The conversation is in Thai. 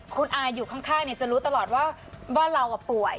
คุณอาอยู่ข้างจะรู้ตลอดว่าเราป่วย